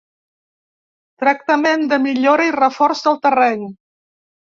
Tractament de millora i reforç del terreny.